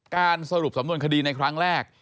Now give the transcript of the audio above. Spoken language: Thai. สรุปสำนวนคดีในครั้งแรก